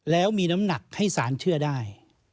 แล้วมีน้ำหนักให้สารเชื่อได้